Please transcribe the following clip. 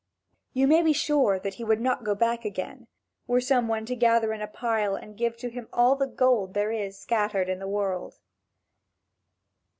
You may be sure that he would not go back again, were some one to gather in a pile and give to him all the gold there is scattered in the world.